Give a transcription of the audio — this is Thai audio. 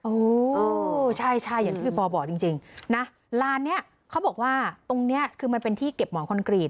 โอ้โหใช่อย่างที่พี่ปอลบอกจริงนะลานนี้เขาบอกว่าตรงนี้คือมันเป็นที่เก็บหมอนคอนกรีต